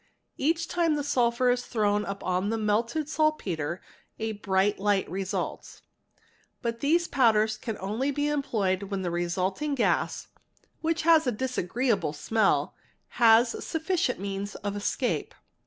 ach time the sulphur is thrown upon the melted saltpetre a bright light Sc ts. But these powders«can only be employed when the resulting gas, ich has a disagreeable smell, has sufficient means of escape.